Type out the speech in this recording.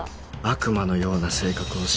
悪魔のような性格をしていた